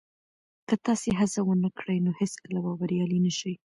که تاسي هڅه ونه کړئ نو هیڅکله به بریالي نه شئ.